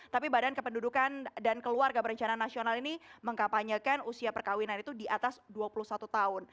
tapi badan kependudukan dan keluarga berencana nasional ini mengkapanyekan usia perkawinan itu di atas dua puluh satu tahun